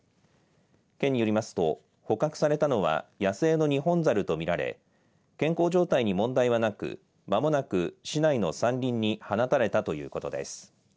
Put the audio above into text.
県によりますと捕獲されたのは野生のニホンザルと見られ健康状態に問題はなくまもなく市内の山林に放たれたということです。